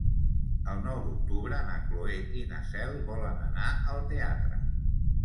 El nou d'octubre na Cloè i na Cel volen anar al teatre.